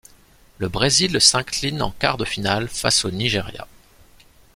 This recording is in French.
Le Brésil s'incline en quart de finale face au Nigeria.